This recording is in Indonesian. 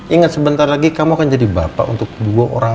ingat sebentar lagi kamu akan jadi bapak untuk dua orang